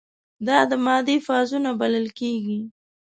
دا د مادې فازونه بلل کیږي.